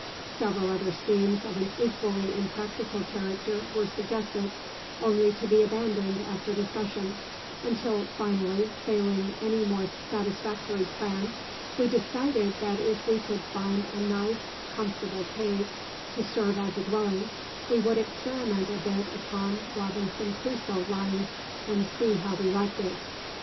Several other schemes of an equally impracticable character were suggested, only to be abandoned after discussion, until finally, failing any more satisfactory plan, we decided that if we could find a nice, comfortable cave to serve as a dwelling we would experiment a bit upon `Robinson Crusoe' lines, and see how we liked it.